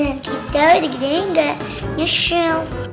biar nanti kita udah gede gede nggak nyesel